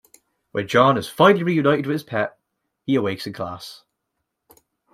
When John is finally reunited with his pet, he awakes in class.